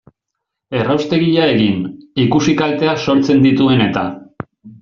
Erraustegia egin, ikusi kalteak sortzen dituen eta...